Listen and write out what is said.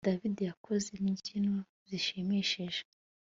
David yakoze imbyino zishimishije